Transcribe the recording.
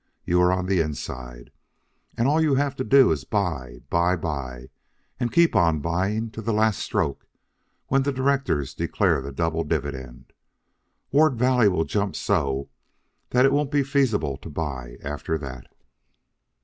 You are on the inside. All you have to do is buy, buy, buy, and keep on buying to the last stroke, when the directors declare the double dividend. Ward Valley will jump so that it won't be feasible to buy after that."